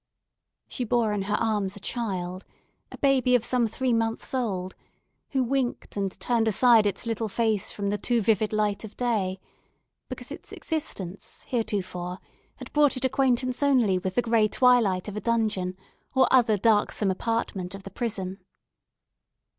She bore in her arms a child, a baby of some three months old, who winked and turned aside its little face from the too vivid light of day; because its existence, heretofore, had brought it acquaintance only with the grey twilight of a dungeon, or other darksome apartment of the prison.